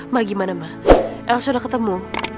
ma gimana ma elsa udah ketemu